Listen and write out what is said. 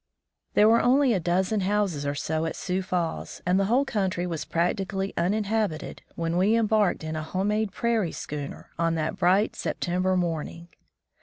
There were only a dozen houses or so at Sioux Falls, and the whole country was practically uninhabited, when we embarked in a home made prairie schooner, on that bright September morning.